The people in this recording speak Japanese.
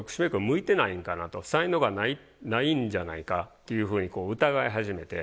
才能がないんじゃないかっていうふうに疑い始めて。